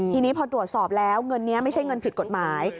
ทีนี้พอตรวจสอบแล้วเงินนี้ไม่ใช่เงินผิดกฎหมาย